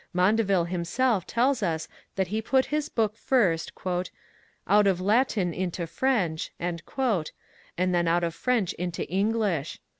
Maundevile himself tells us that he put his book first " out of Latyn into Frensche," and then out of French into English.